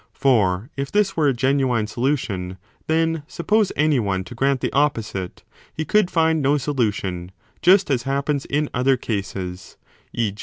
For if this were a genuine solution, then, suppose any one to grant the opposite, he could find no solution, just as happens in other cases; e.